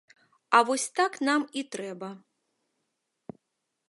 А вось так нам і трэба.